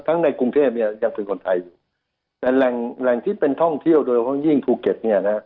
ทั้งในกรุงเทพยังเป็นคนไทยแต่แหล่งที่เป็นท่องเที่ยวโดยยิ่งธูเก็ต